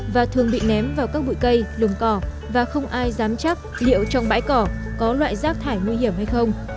và thường bị ném vào các bụi cây lùng cỏ và không ai dám chắc liệu trong bãi cỏ có loại rác thải nguy hiểm hay không